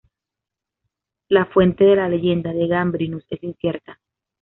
La fuente de la leyenda de Gambrinus es incierta.